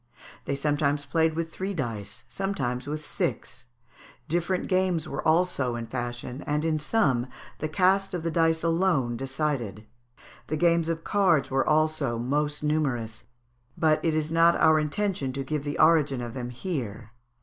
They sometimes played with three dice, sometimes with six; different games were also in fashion, and in some the cast of the dice alone decided. The games of cards were also most numerous, but it is not our intention to give the origin of them here.